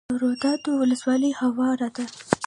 د روداتو ولسوالۍ هواره ده